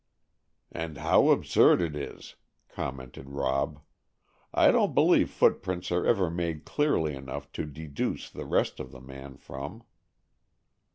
"And how absurd it is!" commented Rob. "I don't believe footprints are ever made clearly enough to deduce the rest of the man from."